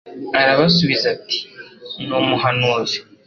Arabasubiza ati : Ni Umuhanuzi.»